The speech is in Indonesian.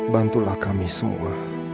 bantulah kami semua